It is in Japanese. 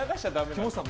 木本さん